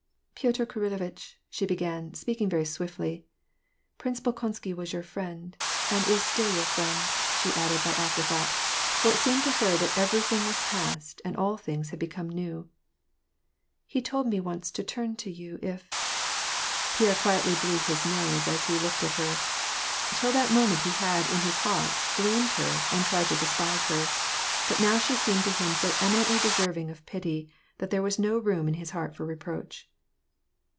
"Piotr Kirillovitch," she began, speaking very swiftlj*, " Prince Bolkonsky was your friend, and is still your friend," she added, by an afterthought ; for it seemed to her that every thing was past, and all things had become new. " He told m* once to turn to you if "— Pierre quietly blew his nose as he looked at her. Till tha moment, he had, in his heart, blamed her, and tried to despia%. her ; but now she seemed to him so eminently deserving of pity, that there was no room in his heart for reproach.